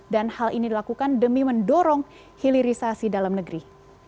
dan hal ini dilakukan demi mendorong hilirisasi dalam negeri